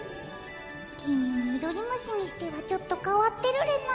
きみミドリムシにしてはちょっとかわってるレナ。